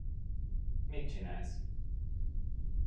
Mit csinálsz?